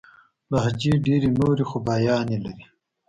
لهجې ډېري نوري خوباياني لري.